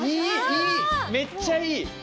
めっちゃいい！